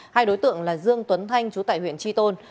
hai đối tượng là dương tuấn thanh chú tại huyện tri tôn